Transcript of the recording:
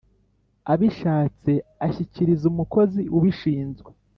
abishatse ashyikiriza umukozi ubishinzwe